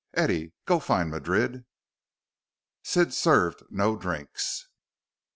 Eddie, go find Madrid." Sid served no drinks.